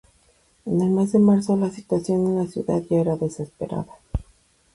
En el mes de marzo la situación en la ciudad ya era desesperada.